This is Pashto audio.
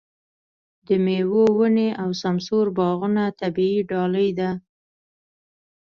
د مېوو ونې او سمسور باغونه طبیعي ډالۍ ده.